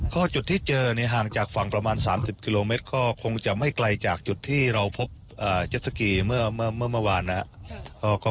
ก็จุดที่เจอเนี่ยห่างจากฝั่งประมาณ๓๐กิโลเมตรก็คงจะไม่ไกลจากจุดที่เราพบเจ็ดสกีเมื่อเมื่อวานนะครับ